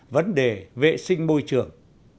vấn đề vệ sinh môi trường